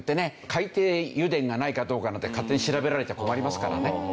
海底油田がないかどうかなんて勝手に調べられたら困りますからね。